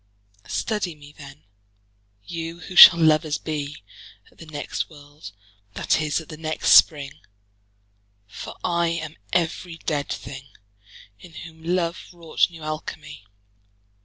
Study me then, you who shall lovers bee At the next world, that is, at the next Spring: For I am every dead thing, In whom love wrought new Alchimie.